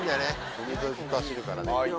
海沿いずっと走るからね。